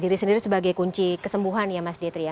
diri sendiri sebagai kunci kesembuhan ya mas detri ya